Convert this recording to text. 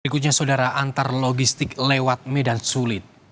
berikutnya saudara antar logistik lewat medan sulit